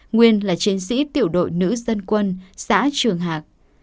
nguyên là chiến sĩ tiểu đội nữ dân quân xã trường hạc